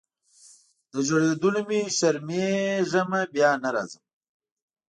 له ژړېدلو مي شرمېږمه بیا نه راځمه